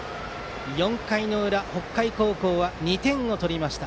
４回の裏、北海高校は２点を取りました。